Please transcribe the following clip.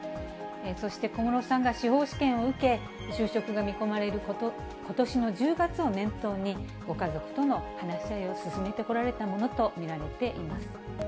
そして小室さんが司法試験を受け、就職が見込まれることしの１０月を念頭に、ご家族との話し合いを進めてこられたものと見られています。